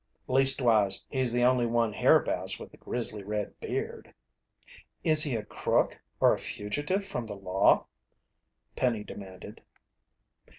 "Leastwise, he's the only one hereabouts with a grizzly red beard." "Is he a crook or a fugitive from the law?" Penny demanded.